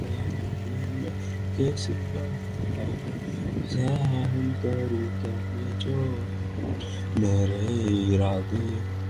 কিন্তু কত দিন ইমরান সেনাবাহিনীর সুদৃষ্টিতে থাকবেন?